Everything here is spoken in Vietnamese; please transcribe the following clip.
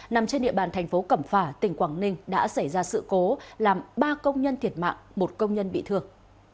nằm trên địa bàn thành phố cẩm phả tỉnh quảng ninh đã xảy ra sự cố làm ba công nhân thiệt mạng một công nhân bị thương